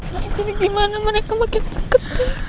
mereka pergi kemana mereka makin deket